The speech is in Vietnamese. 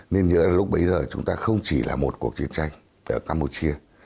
nên lúc bấy giờ chúng ta không chỉ là một cuộc chiến tranh ở campuchia